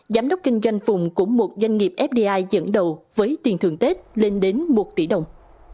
giám đốc kinh doanh phùng cũng một doanh nghiệp fdi dẫn đầu với tiền thưởng tết lên đến một tỷ đồng